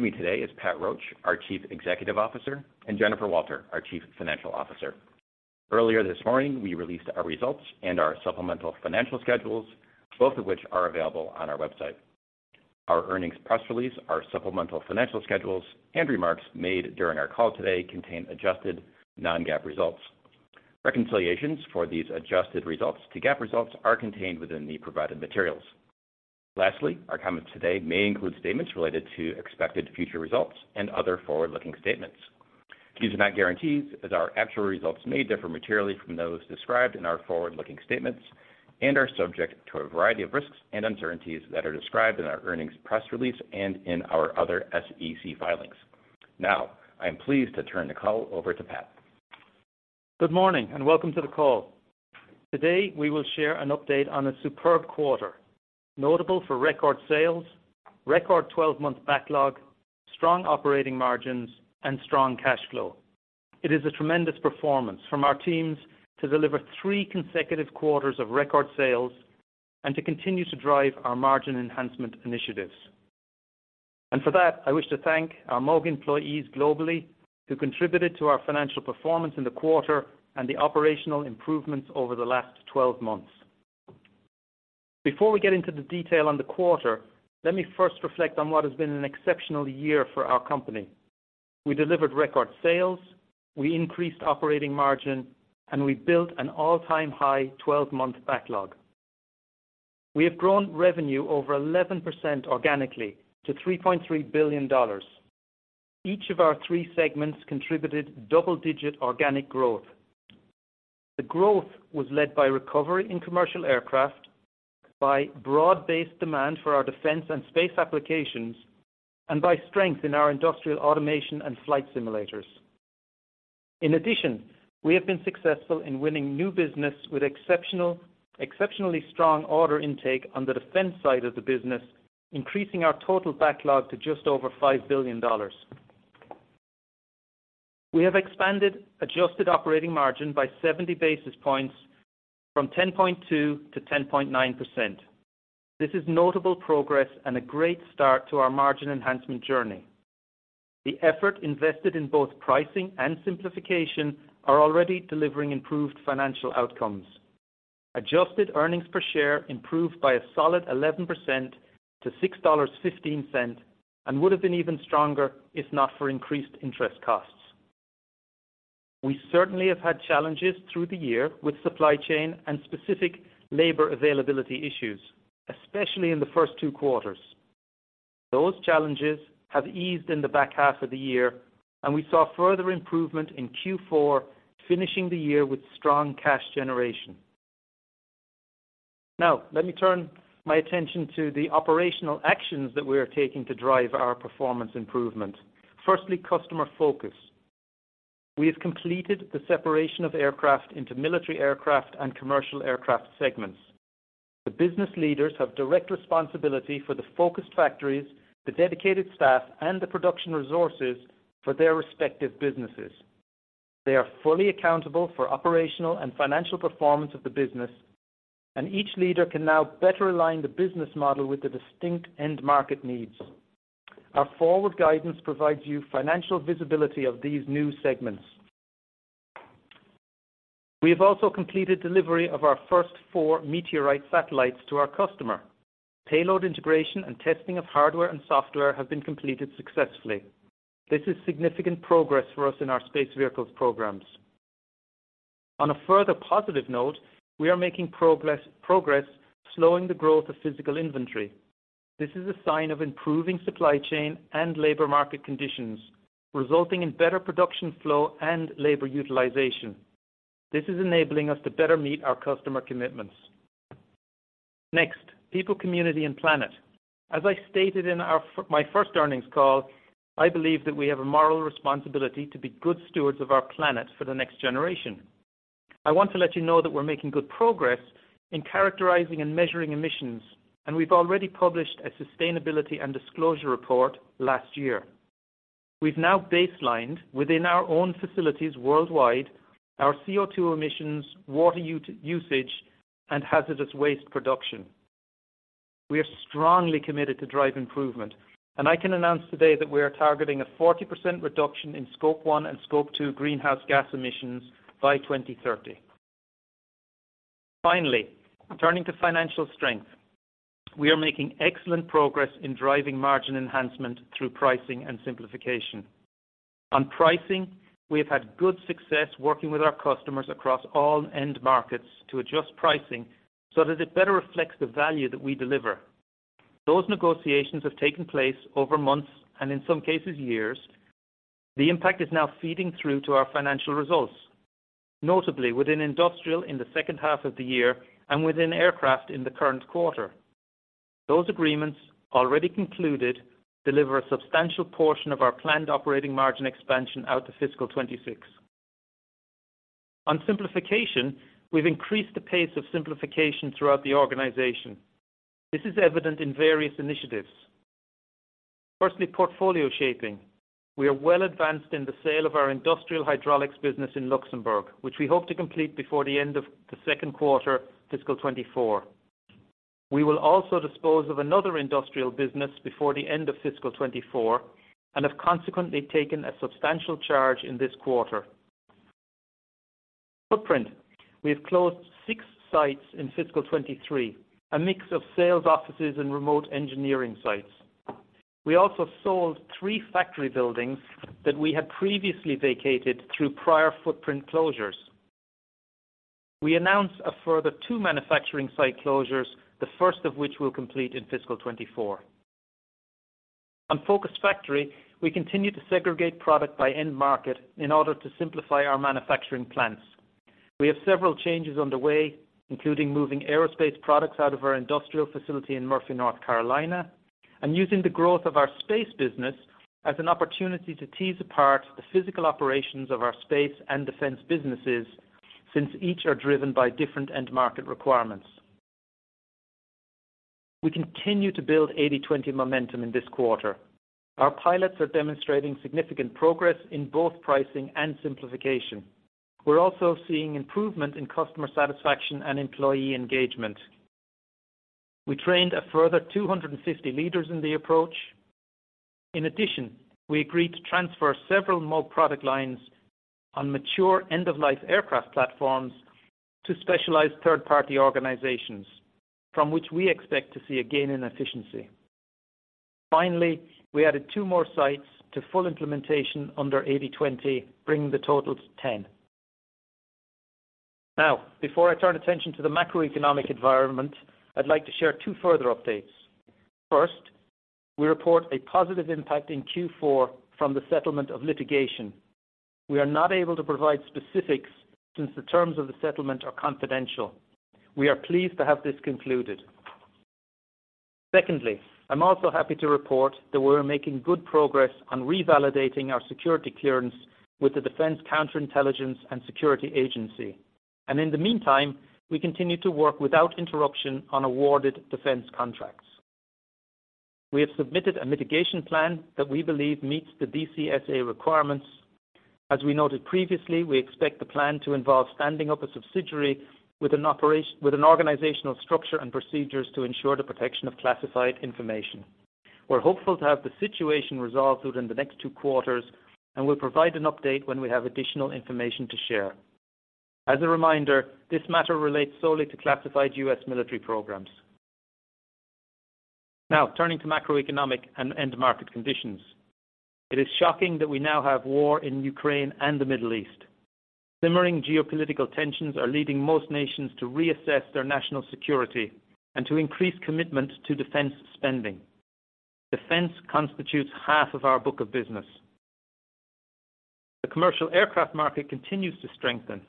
With me today is Pat Roche, our Chief Executive Officer, and Jennifer Walter, our Chief Financial Officer. Earlier this morning, we released our results and our supplemental financial schedules, both of which are available on our website. Our earnings press release, our supplemental financial schedules, and remarks made during our call today contain adjusted non-GAAP results. Reconciliations for these adjusted results to GAAP results are contained within the provided materials. Lastly, our comments today may include statements related to expected future results and other forward-looking statements. These are not guarantees, as our actual results may differ materially from those described in our forward-looking statements and are subject to a variety of risks and uncertainties that are described in our earnings press release and in our other SEC filings. Now, I am pleased to turn the call over to Pat. Good morning, and welcome to the call. Today, we will share an update on a superb quarter, notable for record sales, record twelve-month backlog, strong operating margins, and strong cash flow. It is a tremendous performance from our teams to deliver three consecutive quarters of record sales and to continue to drive our margin enhancement initiatives. For that, I wish to thank our Moog employees globally, who contributed to our financial performance in the quarter and the operational improvements over the last twelve months. Before we get into the detail on the quarter, let me first reflect on what has been an exceptional year for our company. We delivered record sales, we increased operating margin, and we built an all-time high twelve-month backlog. We have grown revenue over 11% organically to $3.3 billion. Each of our three segments contributed double-digit organic growth. The growth was led by recovery in commercial aircraft, by broad-based demand for our defense and space applications, and by strength in our industrial automation and flight simulators. In addition, we have been successful in winning new business with exceptionally strong order intake on the defense side of the business, increasing our total backlog to just over $5 billion. We have expanded adjusted operating margin by 70 basis points from 10.2% to 10.9%. This is notable progress and a great start to our margin enhancement journey. The effort invested in both pricing and simplification are already delivering improved financial outcomes. Adjusted earnings per share improved by a solid 11% to $6.15, and would have been even stronger if not for increased interest costs. We certainly have had challenges through the year with supply chain and specific labor availability issues, especially in the first two quarters. Those challenges have eased in the back half of the year, and we saw further improvement in Q4, finishing the year with strong cash generation. Now, let me turn my attention to the operational actions that we are taking to drive our performance improvement. Firstly, customer focus. We have completed the separation of aircraft into military aircraft and commercial aircraft segments. The business leaders have direct responsibility for the focused factories, the dedicated staff, and the production resources for their respective businesses. They are fully accountable for operational and financial performance of the business, and each leader can now better align the business model with the distinct end market needs. Our forward guidance provides you financial visibility of these new segments. We have also completed delivery of our first four Meteorite satellites to our customer. Payload integration and testing of hardware and software have been completed successfully. This is significant progress for us in our space vehicles programs. On a further positive note, we are making progress slowing the growth of physical inventory. This is a sign of improving supply chain and labor market conditions, resulting in better production flow and labor utilization. This is enabling us to better meet our customer commitments. Next, people, community, and planet. As I stated in my first earnings call, I believe that we have a moral responsibility to be good stewards of our planet for the next generation. I want to let you know that we're making good progress in characterizing and measuring emissions, and we've already published a sustainability and disclosure report last year. We've now baselined, within our own facilities worldwide, our CO2 emissions, water usage, and hazardous waste production. We are strongly committed to drive improvement, and I can announce today that we are targeting a 40% reduction in Scope 1 and Scope 2 greenhouse gas emissions by 2030. Finally, turning to financial strength. We are making excellent progress in driving margin enhancement through pricing and simplification. On pricing, we have had good success working with our customers across all end markets to adjust pricing so that it better reflects the value that we deliver. Those negotiations have taken place over months, and in some cases, years. The impact is now feeding through to our financial results, notably within industrial in the second half of the year and within aircraft in the current quarter. Those agreements, already concluded, deliver a substantial portion of our planned operating margin expansion out to fiscal 2026. On simplification, we've increased the pace of simplification throughout the organization. This is evident in various initiatives. Firstly, portfolio shaping. We are well advanced in the sale of our industrial hydraulics business in Luxembourg, which we hope to complete before the end of the second quarter, fiscal 2024. We will also dispose of another industrial business before the end of fiscal 2024, and have consequently taken a substantial charge in this quarter. Footprint, we have closed 6 sites in fiscal 2023, a mix of sales offices and remote engineering sites. We also sold 3 factory buildings that we had previously vacated through prior footprint closures. We announced a further 2 manufacturing site closures, the first of which will complete in fiscal 2024. On Focused Factory, we continue to segregate product by end market in order to simplify our manufacturing plants. We have several changes underway, including moving aerospace products out of our industrial facility in Murphy, North Carolina, and using the growth of our space business as an opportunity to tease apart the physical operations of our space and defense businesses, since each are driven by different end market requirements. We continue to build 80/20 momentum in this quarter. Our pilots are demonstrating significant progress in both pricing and simplification. We're also seeing improvement in customer satisfaction and employee engagement. We trained a further 250 leaders in the approach. In addition, we agreed to transfer several more product lines on mature end-of-life aircraft platforms to specialized third-party organizations, from which we expect to see a gain in efficiency. Finally, we added 2 more sites to full implementation under 80/20, bringing the total to 10. Now, before I turn attention to the macroeconomic environment, I'd like to share 2 further updates. First, we report a positive impact in Q4 from the settlement of litigation. We are not able to provide specifics since the terms of the settlement are confidential. We are pleased to have this concluded. Secondly, I'm also happy to report that we're making good progress on revalidating our security clearance with the Defense Counterintelligence and Security Agency. And in the meantime, we continue to work without interruption on awarded defense contracts. We have submitted a mitigation plan that we believe meets the DCSA requirements. As we noted previously, we expect the plan to involve standing up a subsidiary with an organizational structure and procedures to ensure the protection of classified information. We're hopeful to have the situation resolved within the next 2 quarters, and we'll provide an update when we have additional information to share. As a reminder, this matter relates solely to classified U.S., military programs. Now, turning to macroeconomic and end market conditions, it is shocking that we now have war in Ukraine and the Middle East. Simmering geopolitical tensions are leading most nations to reassess their national security and to increase commitment to defense spending. Defense constitutes half of our book of business. The commercial aircraft market continues to strengthen.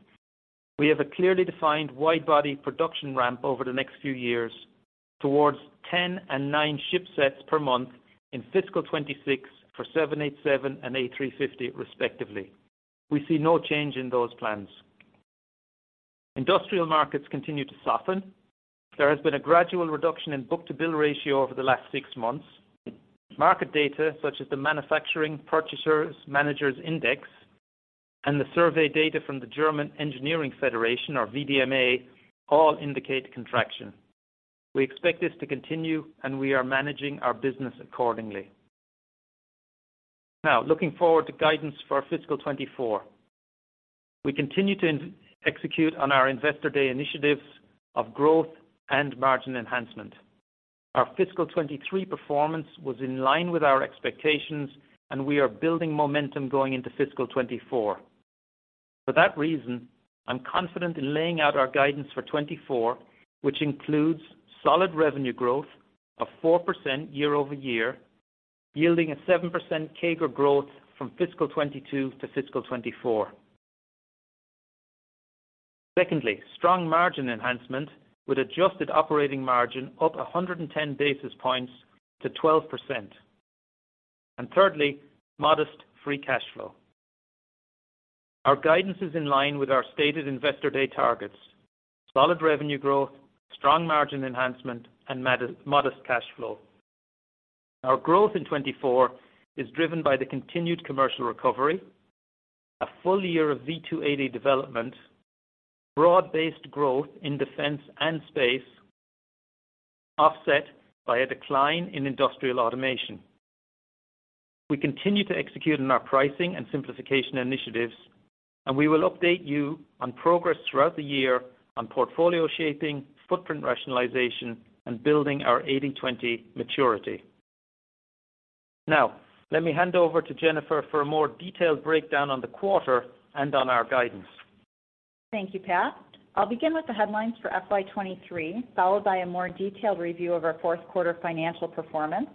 We have a clearly defined wide-body production ramp over the next few years towards 10 and 9 ship sets per month in fiscal 2026 for 787 and A350, respectively. We see no change in those plans. Industrial markets continue to soften. There has been a gradual reduction in book-to-bill ratio over the last 6 months. Market data, such as the Manufacturing Purchasing Managers Index and the survey data from the German Engineering Federation, or VDMA, all indicate contraction. We expect this to continue, and we are managing our business accordingly. Now, looking forward to guidance for fiscal 2024. We continue to execute on our Investor Day initiatives of growth and margin enhancement. Our fiscal 2023 performance was in line with our expectations, and we are building momentum going into fiscal 2024. For that reason, I'm confident in laying out our guidance for 2024, which includes solid revenue growth of 4% year-over-year, yielding a 7% CAGR growth from fiscal 2022 to fiscal 2024. Secondly, strong margin enhancement, with adjusted operating margin up 110 basis points to 12%. And thirdly, modest free cash flow. Our guidance is in line with our stated Investor Day targets: solid revenue growth, strong margin enhancement, and modest, modest cash flow. Our growth in 2024 is driven by the continued commercial recovery, a full year of V-280 development, broad-based growth in defense and space, offset by a decline in industrial automation. We continue to execute on our pricing and simplification initiatives, and we will update you on progress throughout the year on portfolio shaping, footprint rationalization, and building our 80/20 maturity. Now, let me hand over to Jennifer for a more detailed breakdown on the quarter and on our guidance. Thank you, Pat. I'll begin with the headlines for FY 2023, followed by a more detailed review of our fourth quarter financial performance.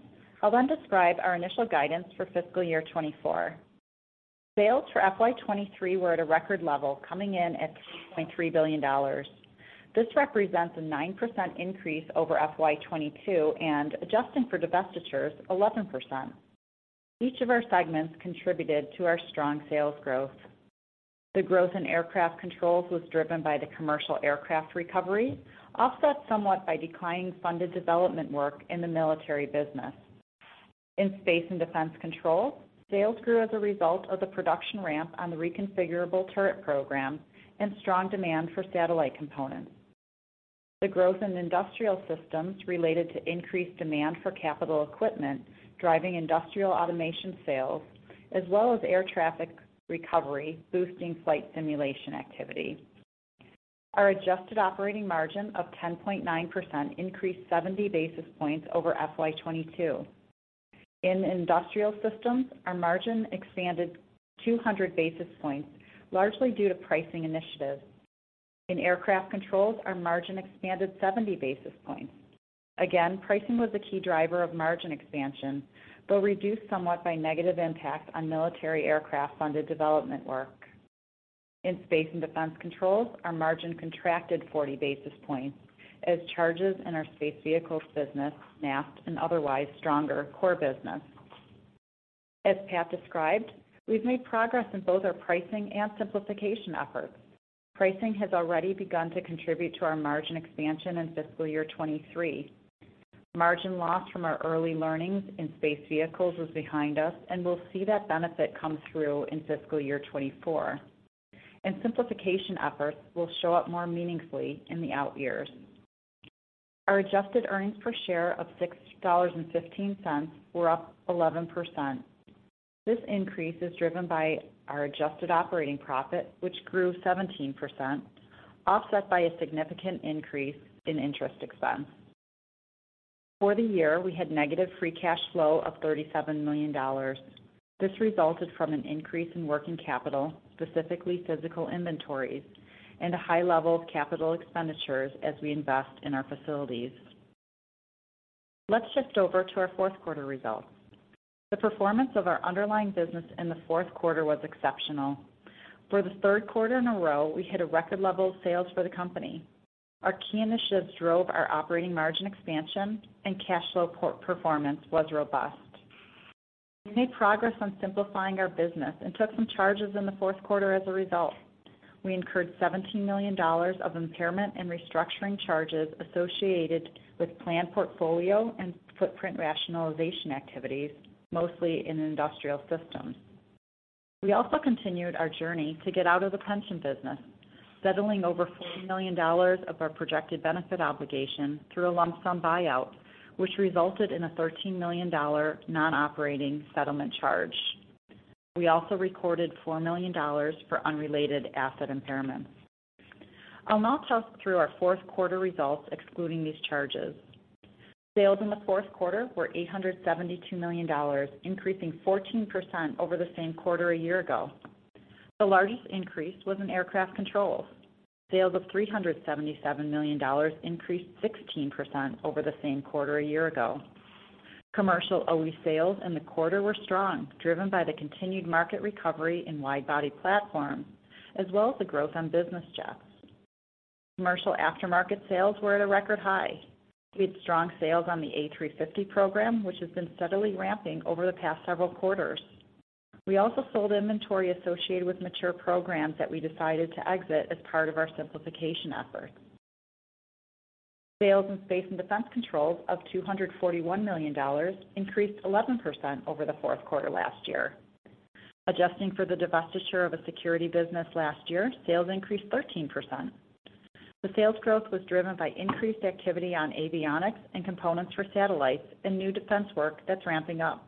I'll then describe our initial guidance for fiscal year 2024. Sales for FY 2023 were at a record level, coming in at $3.3 billion. This represents a 9% increase over FY 2022, and adjusting for divestitures, 11%. Each of our segments contributed to our strong sales growth. The growth in Aircraft Controls was driven by the commercial aircraft recovery, offset somewhat by declining funded development work in the military business. In Space and Defense Controls, sales grew as a result of the production ramp on the reconfigurable turret program and strong demand for satellite components. The growth in Industrial Systems related to increased demand for capital equipment, driving industrial automation sales, as well as air traffic recovery, boosting flight simulation activity. Our adjusted operating margin of 10.9% increased 70 basis points over FY 2022. In industrial systems, our margin expanded 200 basis points, largely due to pricing initiatives. In aircraft controls, our margin expanded 70 basis points. Again, pricing was a key driver of margin expansion, though reduced somewhat by negative impact on military aircraft funded development work. In space and defense controls, our margin contracted 40 basis points as charges in our space vehicles business snapped an otherwise stronger core business. As Pat described, we've made progress in both our pricing and simplification efforts. Pricing has already begun to contribute to our margin expansion in fiscal year 2023. Margin loss from our early learnings in space vehicles is behind us, and we'll see that benefit come through in fiscal year 2024, and simplification efforts will show up more meaningfully in the out years. Our adjusted earnings per share of $6.15 were up 11%. This increase is driven by our adjusted operating profit, which grew 17%, offset by a significant increase in interest expense. For the year, we had negative free cash flow of $37 million. This resulted from an increase in working capital, specifically physical inventories and a high level of capital expenditures as we invest in our facilities. Let's shift over to our fourth quarter results. The performance of our underlying business in the fourth quarter was exceptional. For the third quarter in a row, we hit a record level of sales for the company. Our key initiatives drove our operating margin expansion and cash flow performance was robust. We made progress on simplifying our business and took some charges in the fourth quarter as a result. We incurred $17 million of impairment and restructuring charges associated with planned portfolio and footprint rationalization activities, mostly in industrial systems. We also continued our journey to get out of the pension business, settling over $4 million of our projected benefit obligation through a lump sum buyout, which resulted in a $13 million non-operating settlement charge. We also recorded $4 million for unrelated asset impairment. I'll now talk through our fourth quarter results excluding these charges. Sales in the fourth quarter were $872 million, increasing 14% over the same quarter a year ago. The largest increase was in aircraft controls. Sales of $377 million increased 16% over the same quarter a year ago. Commercial OE sales in the quarter were strong, driven by the continued market recovery in wide-body platforms, as well as the growth on business jets. Commercial aftermarket sales were at a record high. We had strong sales on the A350 program, which has been steadily ramping over the past several quarters. We also sold inventory associated with mature programs that we decided to exit as part of our simplification efforts. Sales in space and defense controls of $241 million increased 11% over the fourth quarter last year. Adjusting for the divestiture of a security business last year, sales increased 13%. The sales growth was driven by increased activity on avionics and components for satellites and new defense work that's ramping up.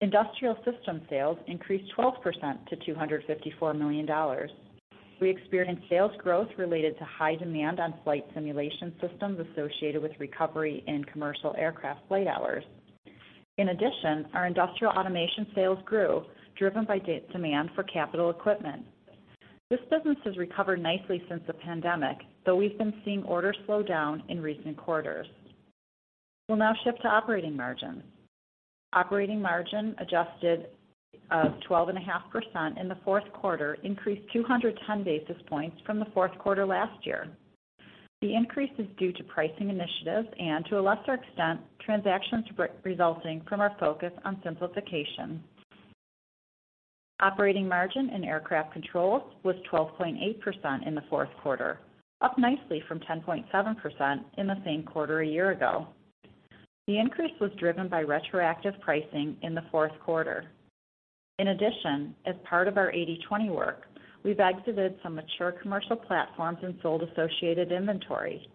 Industrial system sales increased 12% to $254 million. We experienced sales growth related to high demand on flight simulation systems associated with recovery in commercial aircraft flight hours. In addition, our industrial automation sales grew, driven by demand for capital equipment. This business has recovered nicely since the pandemic, though we've been seeing orders slow down in recent quarters. We'll now shift to operating margins. Operating margin, adjusted to 12.5% in the fourth quarter, increased 210 basis points from the fourth quarter last year. The increase is due to pricing initiatives and, to a lesser extent, transactions resulting from our focus on simplification. Operating margin in aircraft controls was 12.8% in the fourth quarter, up nicely from 10.7% in the same quarter a year ago. The increase was driven by retroactive pricing in the fourth quarter. In addition, as part of our 80/20 work, we've exited some mature commercial platforms and sold associated inventory.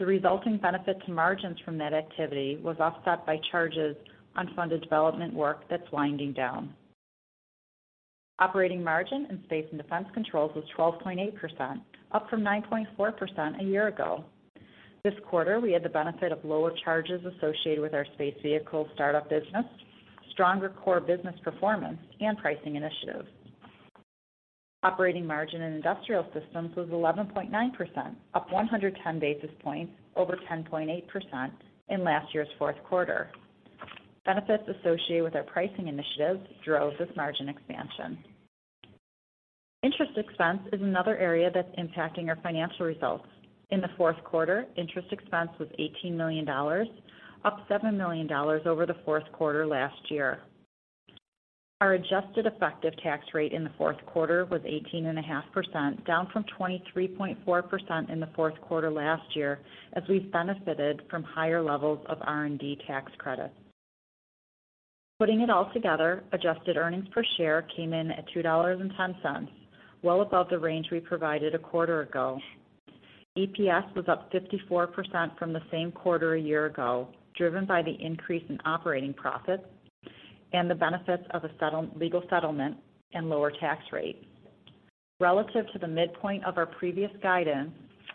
The resulting benefit to margins from that activity was offset by charges on funded development work that's winding down. Operating margin in space and defense controls was 12.8%, up from 9.4% a year ago. This quarter, we had the benefit of lower charges associated with our space vehicle startup business, stronger core business performance, and pricing initiatives. Operating margin in industrial systems was 11.9%, up 110 basis points over 10.8% in last year's fourth quarter. Benefits associated with our pricing initiatives drove this margin expansion. Interest expense is another area that's impacting our financial results. In the fourth quarter, interest expense was $18 million, up $7 million over the fourth quarter last year. Our adjusted effective tax rate in the fourth quarter was 18.5%, down from 23.4% in the fourth quarter last year, as we've benefited from higher levels of R&D tax credits. Putting it all together, adjusted earnings per share came in at $2.10, well above the range we provided a quarter ago. EPS was up 54% from the same quarter a year ago, driven by the increase in operating profits and the benefits of a legal settlement and lower tax rate. Relative to the midpoint of our previous guidance,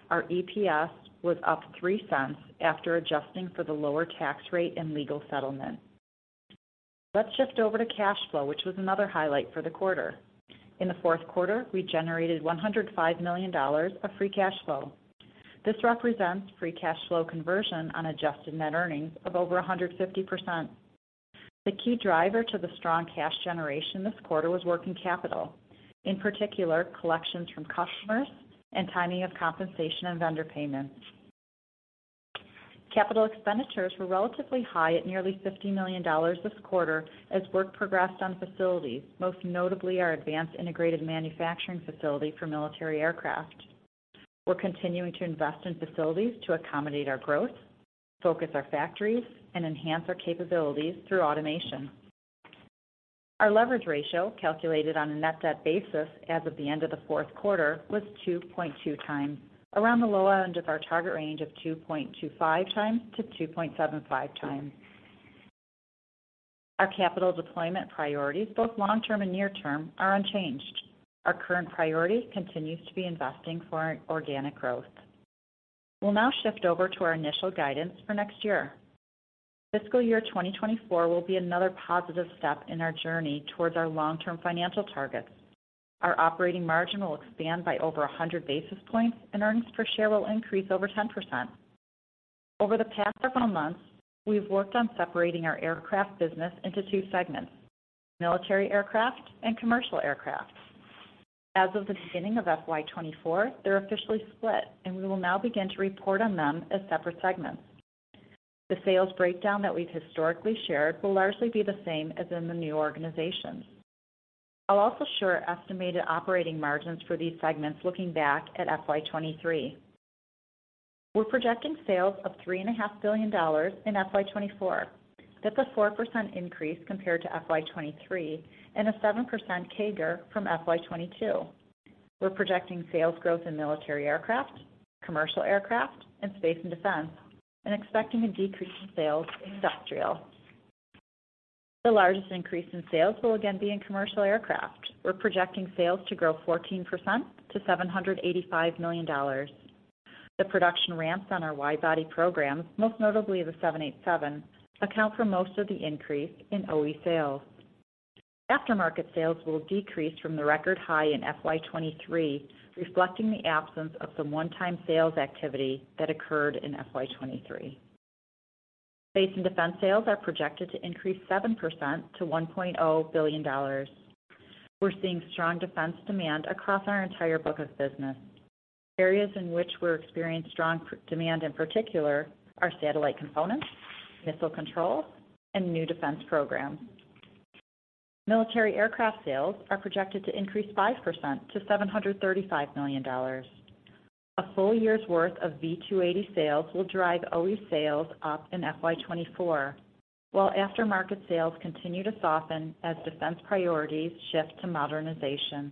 our EPS was up $0.03 after adjusting for the lower tax rate and legal settlement. Let's shift over to cash flow, which was another highlight for the quarter. In the fourth quarter, we generated $105 million of free cash flow. This represents free cash flow conversion on adjusted net earnings of over 150%. The key driver to the strong cash generation this quarter was working capital, in particular, collections from customers and timing of compensation and vendor payments. Capital expenditures were relatively high at nearly $50 million this quarter as work progressed on facilities, most notably our Advanced Integrated Manufacturing facility for military aircraft. We're continuing to invest in facilities to accommodate our growth, focus our factories, and enhance our capabilities through automation. Our leverage ratio, calculated on a net debt basis as of the end of the fourth quarter, was 2.2 times, around the low end of our target range of 2.25 times to 2.75 times. Our capital deployment priorities, both long term and near term, are unchanged. Our current priority continues to be investing for organic growth. We'll now shift over to our initial guidance for next year. Fiscal year 2024 will be another positive step in our journey towards our long-term financial targets. Our operating margin will expand by over 100 basis points, and earnings per share will increase over 10%. Over the past several months, we've worked on separating our aircraft business into two segments: military aircraft and commercial aircraft. As of the beginning of FY 2024, they're officially split, and we will now begin to report on them as separate segments. The sales breakdown that we've historically shared will largely be the same as in the new organization. I'll also share estimated operating margins for these segments looking back at FY 2023. We're projecting sales of $3.5 billion in FY 2024. That's a 4% increase compared to FY 2023 and a 7% CAGR from FY 2022. We're projecting sales growth in military aircraft, commercial aircraft, and space and defense, and expecting a decrease in sales in industrial. The largest increase in sales will again be in commercial aircraft. We're projecting sales to grow 14% to $785 million. The production ramps on our wide-body programs, most notably the 787, account for most of the increase in OE sales. Aftermarket sales will decrease from the record high in FY 2023, reflecting the absence of some one-time sales activity that occurred in FY 2023. Space and defense sales are projected to increase 7% to $1.0 billion. We're seeing strong defense demand across our entire book of business. Areas in which we're experiencing strong demand, in particular, are satellite components, missile control, and new defense programs. Military aircraft sales are projected to increase 5% to $735 million. A full year's worth of V-280 sales will drive OE sales up in FY 2024, while aftermarket sales continue to soften as defense priorities shift to modernization.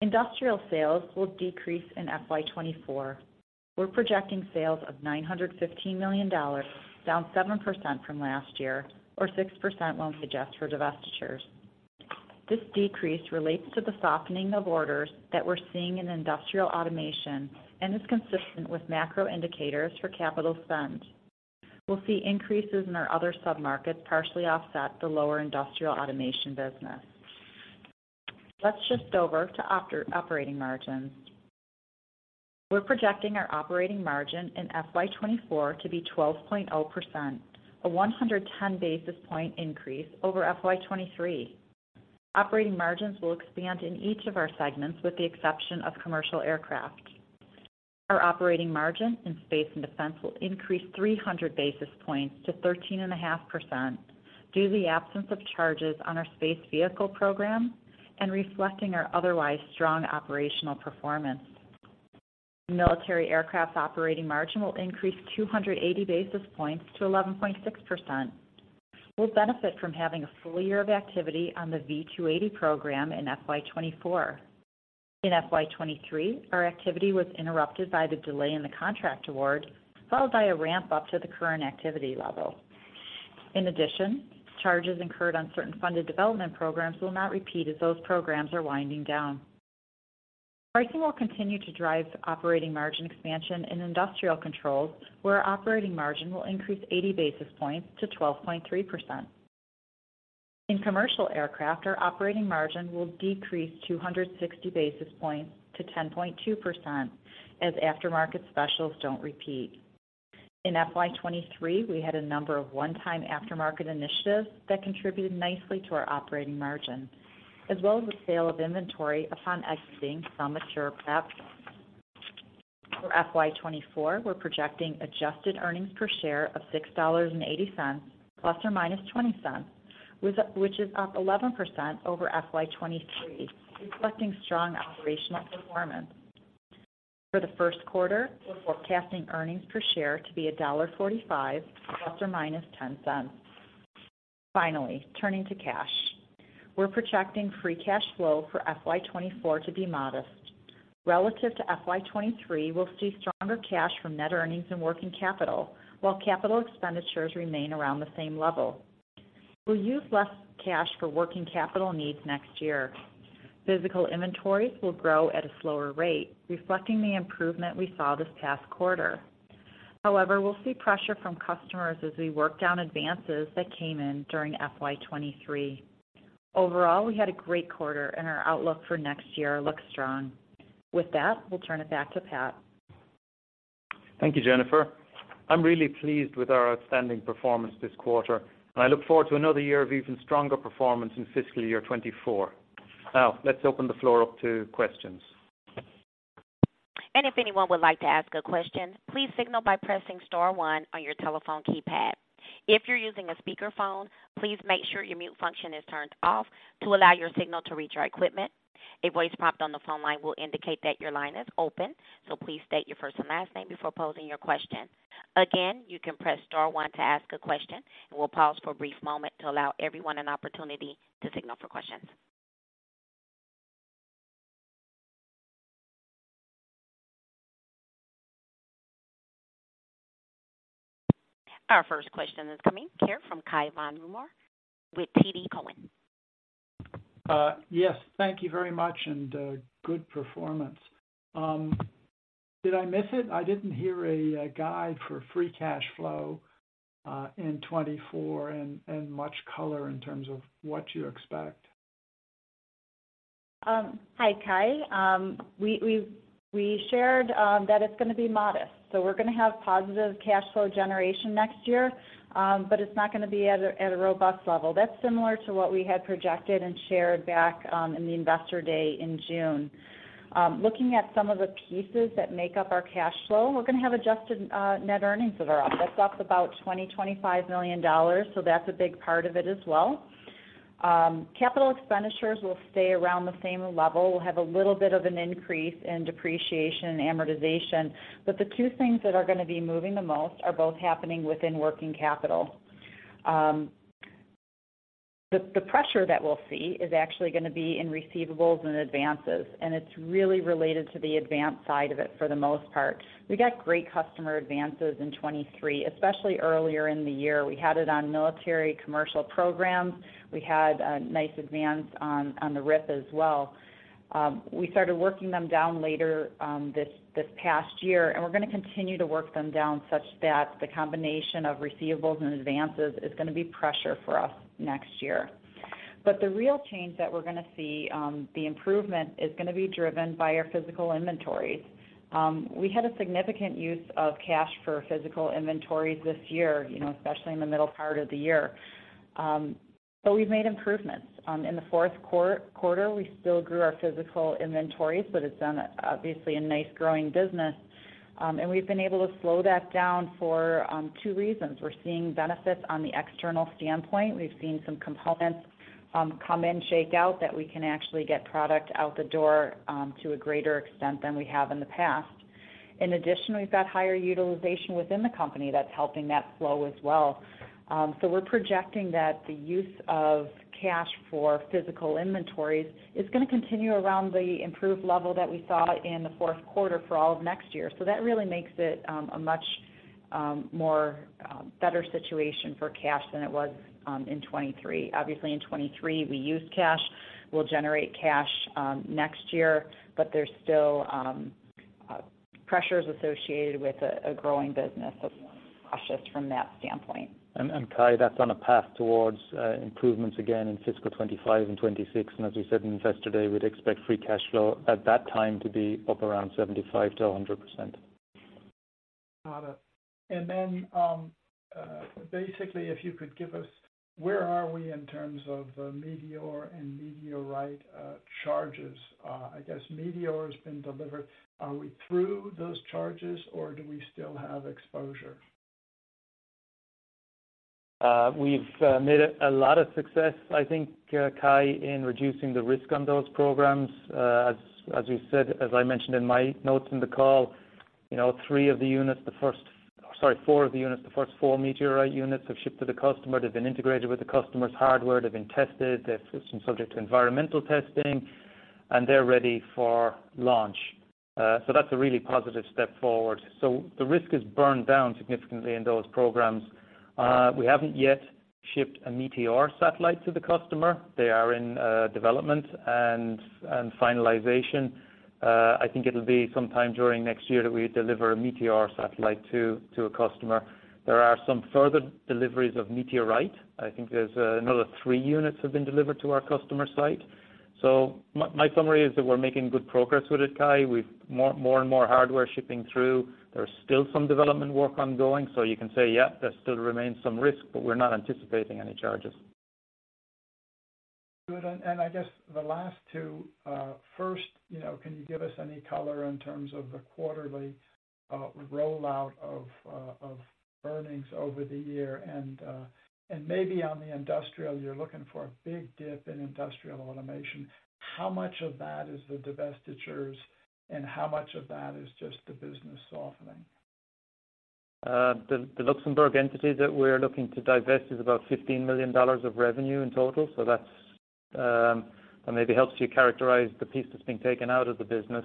Industrial sales will decrease in FY 2024. We're projecting sales of $915 million, down 7% from last year, or 6% when we adjust for divestitures. This decrease relates to the softening of orders that we're seeing in industrial automation and is consistent with macro indicators for capital spend. We'll see increases in our other submarkets partially offset the lower industrial automation business. Let's shift over to operating margins. We're projecting our operating margin in FY 2024 to be 12.0%, a 110 basis point increase over FY 2023. Operating margins will expand in each of our segments, with the exception of commercial aircraft. Our operating margin in space and defense will increase 300 basis points to 13.5%, due to the absence of charges on our space vehicle program and reflecting our otherwise strong operational performance. Military aircraft's operating margin will increase 280 basis points to 11.6%. We'll benefit from having a full year of activity on the V-280 program in FY 2024. In FY 2023, our activity was interrupted by the delay in the contract award, followed by a ramp-up to the current activity level. In addition, charges incurred on certain funded development programs will not repeat as those programs are winding down. Pricing will continue to drive operating margin expansion in industrial controls, where operating margin will increase 80 basis points to 12.3%. In commercial aircraft, our operating margin will decrease 260 basis points to 10.2% as aftermarket specials don't repeat. In FY 2023, we had a number of one-time aftermarket initiatives that contributed nicely to our operating margin, as well as the sale of inventory upon exiting some mature programs. For FY 2024, we're projecting adjusted earnings per share of $6.80, ±20 cents, which is up 11% over FY 2023, reflecting strong operational performance. For the first quarter, we're forecasting earnings per share to be $1.45, ±10 cents. Finally, turning to cash. We're projecting Free Cash Flow for FY 2024 to be modest. Relative to FY 2023, we'll see stronger cash from net earnings and working capital, while capital expenditures remain around the same level. We'll use less cash for working capital needs next year. Physical inventories will grow at a slower rate, reflecting the improvement we saw this past quarter. However, we'll see pressure from customers as we work down advances that came in during FY 2023. Overall, we had a great quarter, and our outlook for next year looks strong. With that, we'll turn it back to Pat. Thank you, Jennifer. I'm really pleased with our outstanding performance this quarter, and I look forward to another year of even stronger performance in fiscal year 2024. Now, let's open the floor up to questions. If anyone would like to ask a question, please signal by pressing * one on your telephone keypad. If you're using a speakerphone, please make sure your mute function is turned off to allow your signal to reach our equipment. A voice prompt on the phone line will indicate that your line is open, so please state your first and last name before posing your question. Again, you can press * one to ask a question, and we'll pause for a brief moment to allow everyone an opportunity to signal for questions. Our first question is coming here from Cai von Rumohr with TD Cowen. Yes, thank you very much, and good performance. Did I miss it? I didn't hear a guide for free cash flow in 2024 and much color in terms of what you expect. Hi, Cai. We've shared that it's gonna be modest. So we're gonna have positive cash flow generation next year, but it's not gonna be at a robust level. That's similar to what we had projected and shared back in the Investor Day in June. Looking at some of the pieces that make up our cash flow, we're gonna have adjusted net earnings that are up. That's up about $20-$25 million, so that's a big part of it as well. Capital expenditures will stay around the same level. We'll have a little bit of an increase in depreciation and amortization, but the two things that are gonna be moving the most are both happening within working capital. The pressure that we'll see is actually gonna be in receivables and advances, and it's really related to the advance side of it for the most part. We got great customer advances in 2023, especially earlier in the year. We had it on military commercial programs. We had a nice advance on the RIwP as well. We started working them down later this past year, and we're gonna continue to work them down such that the combination of receivables and advances is gonna be pressure for us next year. But the real change that we're gonna see, the improvement is gonna be driven by our physical inventories. We had a significant use of cash for physical inventories this year, you know, especially in the middle part of the year. So we've made improvements. In the fourth quarter, we still grew our physical inventories, but it's been obviously a nice growing business, and we've been able to slow that down for two reasons. We're seeing benefits on the external standpoint. We've seen some components come in, shake out, that we can actually get product out the door to a greater extent than we have in the past. In addition, we've got higher utilization within the company that's helping that flow as well. So we're projecting that the use of cash for physical inventories is gonna continue around the improved level that we saw in the fourth quarter for all of next year. So that really makes it a much more better situation for cash than it was in 2023. Obviously, in 2023, we used cash. We'll generate cash next year, but there's still pressures associated with a growing business, so cautious from that standpoint. Cai, that's on a path towards improvements again in fiscal 2025 and 2026. And as we said in Investor Day, we'd expect free cash flow at that time to be up around 75%-100%. Got it. And then, basically, if you could give us where are we in terms of Meteor and Meteorite charges? I guess Meteor has been delivered. Are we through those charges, or do we still have exposure? We've made a lot of success, I think, Cai, in reducing the risk on those programs. As we said, as I mentioned in my notes in the call, you know, Sorry, four of the units, the first four Meteorite units have shipped to the customer. They've been integrated with the customer's hardware. They've been tested. They've been subject to environmental testing, and they're ready for launch. So that's a really positive step forward. So the risk is burned down significantly in those programs. We haven't yet shipped a Meteor satellite to the customer. They are in development and finalization. I think it'll be sometime during next year that we deliver a Meteor satellite to a customer. There are some further deliveries of Meteorite. I think there's another three units have been delivered to our customer site. So my summary is that we're making good progress with it, Cai. We've more, more and more hardware shipping through. There's still some development work ongoing, so you can say, yeah, there still remains some risk, but we're not anticipating any charges.... Good. And, and I guess the last two, first, you know, can you give us any color in terms of the quarterly rollout of earnings over the year? And, and maybe on the industrial, you're looking for a big dip in industrial automation. How much of that is the divestitures, and how much of that is just the business softening? The Luxembourg entity that we're looking to divest is about $15 million of revenue in total. So that's maybe helps you characterize the piece that's being taken out of the business.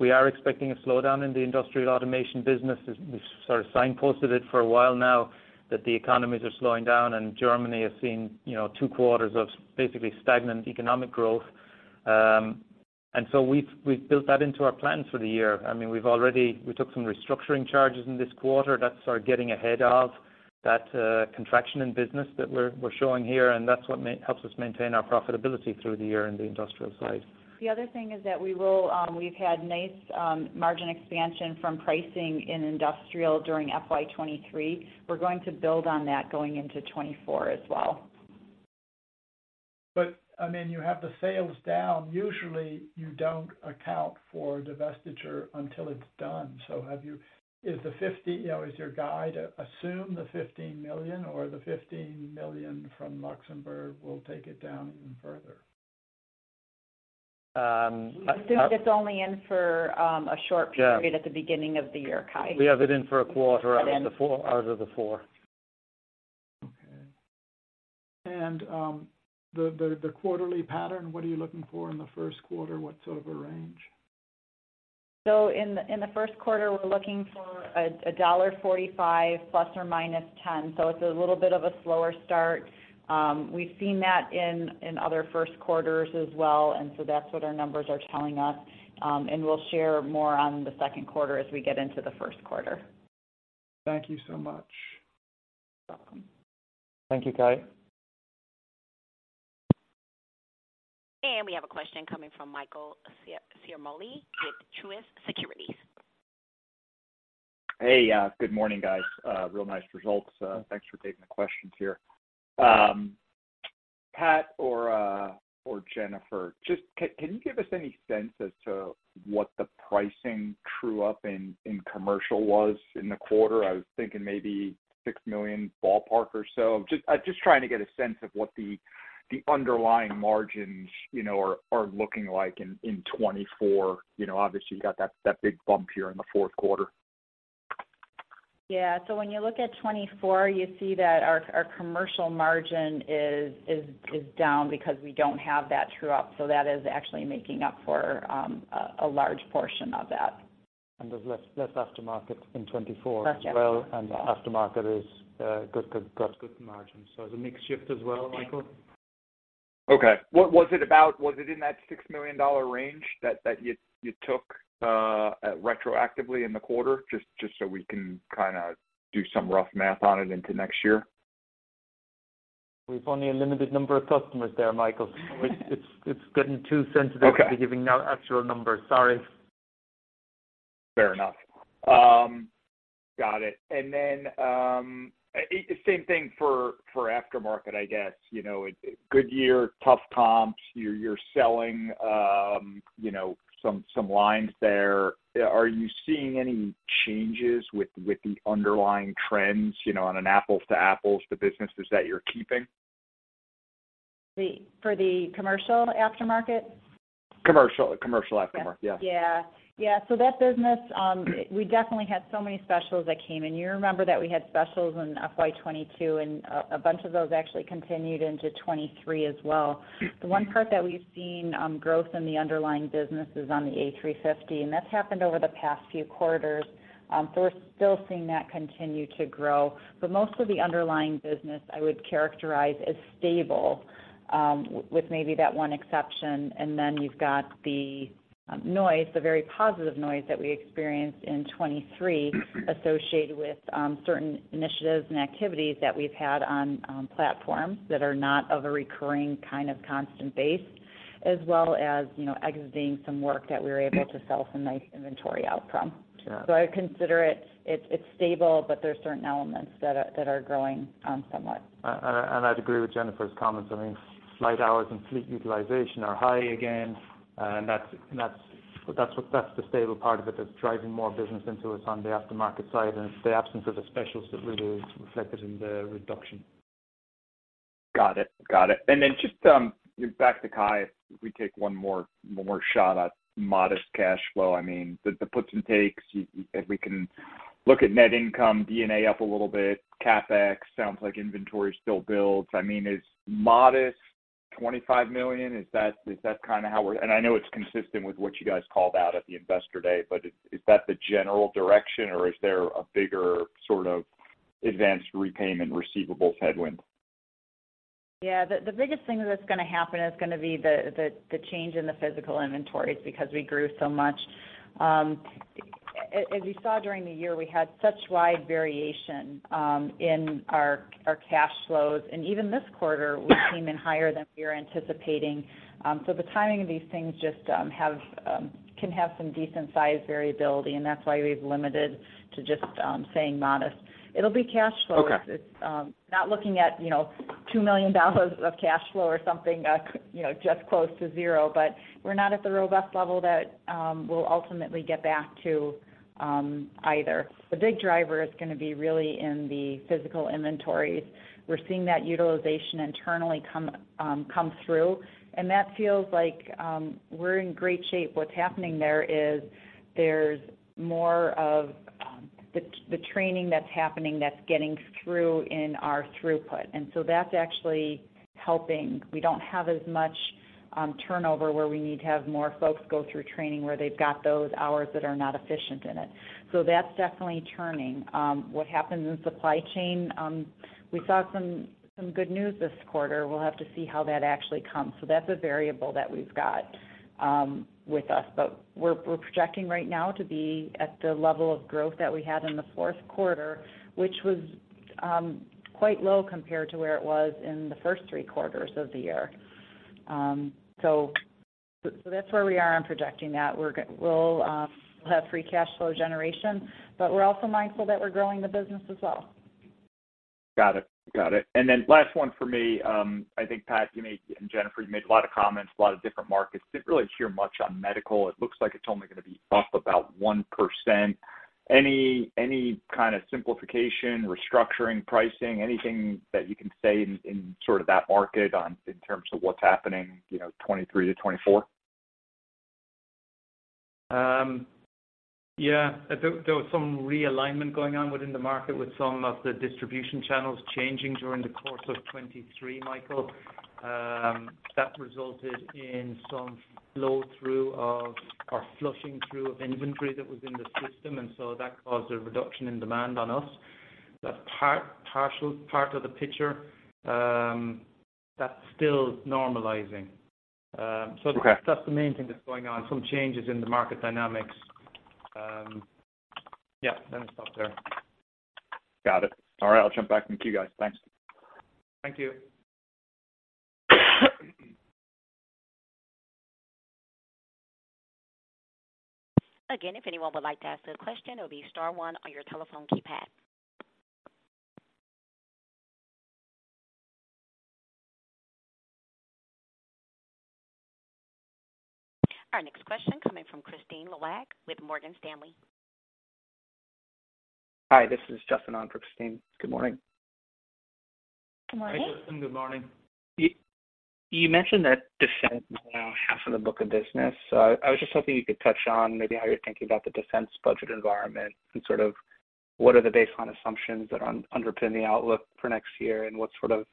We are expecting a slowdown in the industrial automation business. We've sort of signposted it for a while now, that the economies are slowing down, and Germany has seen, you know, two quarters of basically stagnant economic growth. And so we've built that into our plans for the year. I mean, we've already. We took some restructuring charges in this quarter. That's sort of getting ahead of that contraction in business that we're showing here, and that's what helps us maintain our profitability through the year in the industrial side. The other thing is that we've had nice margin expansion from pricing in industrial during FY 2023. We're going to build on that going into 2024 as well. But, I mean, you have the sales down. Usually, you don't account for divestiture until it's done. So, have you? Is the 50, you know, is your guide assume the $15 million or the $15 million from Luxembourg will take it down even further? Um, I- It's only in for a short period- Yeah... at the beginning of the year, Cai. We have it in for a quarter, out of the four, out of the four. Okay. The quarterly pattern, what are you looking for in the first quarter? What sort of a range? So in the first quarter, we're looking for $1.45 ±$0.10. So it's a little bit of a slower start. We've seen that in other first quarters as well, and so that's what our numbers are telling us. And we'll share more on the second quarter as we get into the first quarter. Thank you so much. Welcome. Thank you, Cai. We have a question coming from Michael Ciarmoli with Truist Securities. Hey, good morning, guys. Real nice results. Thanks for taking the questions here. Pat or Jennifer, just can you give us any sense as to what the pricing true up in commercial was in the quarter? I was thinking maybe $6 million ballpark or so. Just trying to get a sense of what the underlying margins, you know, are looking like in 2024. You know, obviously, you got that big bump here in the fourth quarter. Yeah. So when you look at 24, you see that our commercial margin is down because we don't have that true up. So that is actually making up for a large portion of that. There's less aftermarket in 2024 as well. Yes. And the aftermarket is, good, good, got good margins. So the mix shift as well, Michael? Okay. What was it about? Was it in that $6 million range that you took retroactively in the quarter? Just so we can kind of do some rough math on it into next year. We've only a limited number of customers there, Michael. It's getting too sensitive- Okay. -to giving out actual numbers. Sorry. Fair enough. Got it. And then, same thing for aftermarket, I guess. You know, good year, tough comps. You're, you're selling, some, some lines there. Are you seeing any changes with the underlying trends, you know, on an apples to apples, the businesses that you're keeping? for the commercial aftermarket? Commercial, commercial aftermarket, yeah. Yeah. Yeah, so that business, we definitely had so many specials that came in. You remember that we had specials in FY 2022, and a bunch of those actually continued into 2023 as well. The one part that we've seen growth in the underlying business is on the A350, and that's happened over the past few quarters. So we're still seeing that continue to grow. But most of the underlying business, I would characterize as stable, with maybe that one exception. And then you've got the noise, the very positive noise that we experienced in 2023 associated with certain initiatives and activities that we've had on platforms that are not of a recurring kind of constant base, as well as, you know, exiting some work that we were able to sell some nice inventory out from. Sure. I consider it stable, but there are certain elements that are growing somewhat. I'd agree with Jennifer's comments. I mean, flight hours and fleet utilization are high again, and that's, that's what, that's the stable part of it that's driving more business into us on the aftermarket side, and it's the absence of the specials that really is reflected in the reduction. Got it. Got it. Then just back to Kai, if we take one more, one more shot at modest cash flow. I mean, the puts and takes, if we can look at net income, D&A up a little bit, CapEx, sounds like inventory still builds. I mean, is modest $25 million, is that, is that kind of how we're... I know it's consistent with what you guys called out at the Investor Day, but is, is that the general direction, or is there a bigger sort of advanced repayment receivables headwind? Yeah, the biggest thing that's gonna happen is gonna be the change in the physical inventories because we grew so much. As you saw during the year, we had such wide variation in our cash flows, and even this quarter, we came in higher than we were anticipating. So the timing of these things just can have some decent-sized variability, and that's why we've limited to just saying modest. It'll be cash flow. Okay. Not looking at, you know, $2 million of cash flow or something, you know, just close to zero. But we're not at the robust level that we'll ultimately get back to, either. The big driver is gonna be really in the physical inventories. We're seeing that utilization internally come through, and that feels like we're in great shape. What's happening there is, there's more of the training that's happening that's getting through in our throughput. And so that's actually helping. We don't have as much turnover, where we need to have more folks go through training, where they've got those hours that are not efficient in it. So that's definitely turning. What happens in supply chain? We saw some good news this quarter. We'll have to see how that actually comes. So that's a variable that we've got with us, but we're projecting right now to be at the level of growth that we had in the fourth quarter, which was quite low compared to where it was in the first three quarters of the year. So that's where we are on projecting that. We'll have free cash flow generation, but we're also mindful that we're growing the business as well. Got it. Got it. And then last one for me. I think, Pat, you made... and Jennifer, you made a lot of comments, a lot of different markets. Didn't really hear much on medical. It looks like it's only gonna be up about 1%. Any kind of simplification, restructuring, pricing, anything that you can say in sort of that market on in terms of what's happening, you know, 2023 to 2024? Yeah. There was some realignment going on within the market, with some of the distribution channels changing during the course of 2023, Michael. That resulted in some flow-through of, or flushing through of inventory that was in the system, and so that caused a reduction in demand on us. That's partial part of the picture. That's still normalizing. Okay. So that's the main thing that's going on, some changes in the market dynamics. Yeah, let me stop there. Got it. All right, I'll jump back in the queue, guys. Thanks. Thank you. Again, if anyone would like to ask a question, it'll be star one on your telephone keypad. Our next question coming from Kristine Liwag with Morgan Stanley. Hi, this is Justin on for Christine. Good morning. Good morning. Hi, Justin, good morning. You mentioned that defense is now half of the book of business. So I was just hoping you could touch on maybe how you're thinking about the defense budget environment and sort of what are the baseline assumptions that underpin the outlook for next year, and what sort of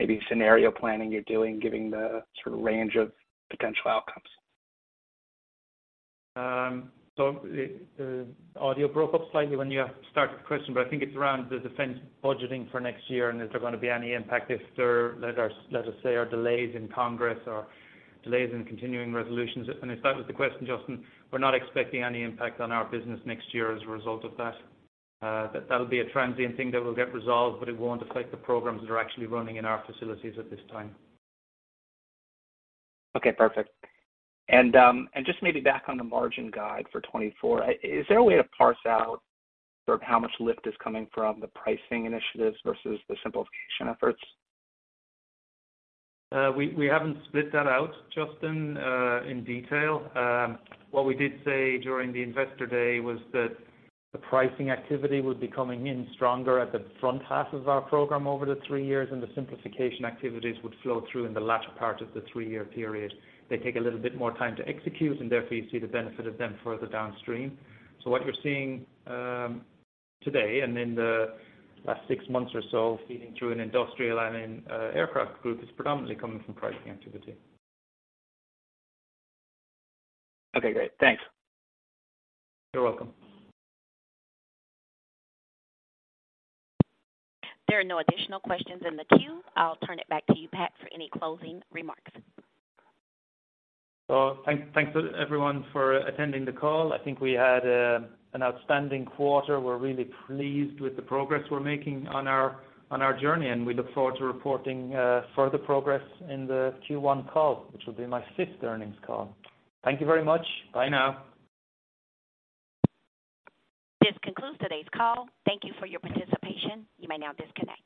maybe scenario planning you're doing, given the sort of range of potential outcomes? So the audio broke up slightly when you started the question, but I think it's around the defense budgeting for next year, and is there gonna be any impact if there are, let us say, delays in Congress or delays in continuing resolutions? And if that was the question, Justin, we're not expecting any impact on our business next year as a result of that. That'll be a transient thing that will get resolved, but it won't affect the programs that are actually running in our facilities at this time. Okay, perfect. And, and just maybe back on the margin guide for 2024, is there a way to parse out sort of how much lift is coming from the pricing initiatives versus the simplification efforts? We haven't split that out, Justin, in detail. What we did say during the Investor Day was that the pricing activity would be coming in stronger at the front half of our program over the three years, and the simplification activities would flow through in the latter part of the three-year period. They take a little bit more time to execute, and therefore you see the benefit of them further downstream. So what you're seeing, today and in the last six months or so, feeding through in industrial and in aircraft group, is predominantly coming from pricing activity. Okay, great. Thanks. You're welcome. There are no additional questions in the queue. I'll turn it back to you, Pat, for any closing remarks. Thanks, thanks, everyone, for attending the call. I think we had an outstanding quarter. We're really pleased with the progress we're making on our journey, and we look forward to reporting further progress in the Q1 call, which will be my fifth earnings call. Thank you very much. Bye now. This concludes today's call. Thank you for your participation. You may now disconnect.